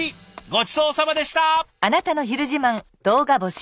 ごちそうさまでした！